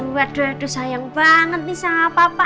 aduh aduh aduh sayang banget nih sama papa